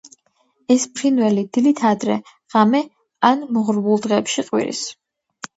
ეს ფრინველი დილით ადრე, ღამე ან მოღრუბლულ დღეებში ყვირის.